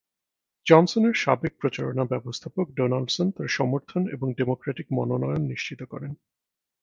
জনসনের সাবেক প্রচারণা ব্যবস্থাপক ডোনাল্ডসন তার সমর্থন এবং ডেমোক্রেটিক মনোনয়ন নিশ্চিত করেন।